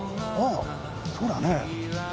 ああそうだね。